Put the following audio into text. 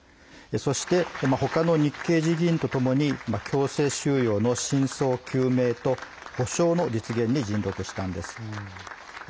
そしてほかの日系人議員とともに強制収容の真相究明と補償の実現に尽力したんです。